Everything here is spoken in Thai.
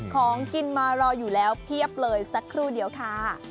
ของกินมารออยู่แล้วเพียบเลยสักครู่เดียวค่ะ